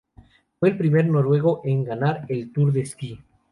Fue el primer noruego en ganar el Tour de Ski.